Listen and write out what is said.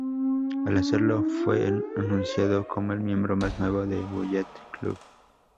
Al hacerlo, fue anunciado como el miembro más nuevo de Bullet Club.